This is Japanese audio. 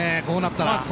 こうなったら。